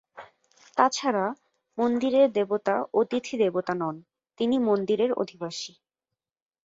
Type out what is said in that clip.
তাছাড়া, মন্দিরের দেবতা "অতিথি দেবতা" নন, তিনি মন্দিরের অধিবাসী।